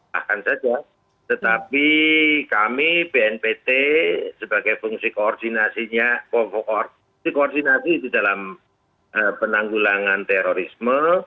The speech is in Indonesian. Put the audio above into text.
bahkan saja tetapi kami bnpt sebagai fungsi koordinasinya koordinasi di dalam penanggulangan terorisme